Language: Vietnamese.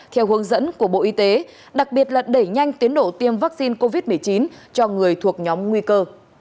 theo hướng dẫn của bộ y tế đặc biệt là đẩy nhanh tiến độ tiêm vaccine covid một mươi chín cho người thuộc nhóm nguy cơ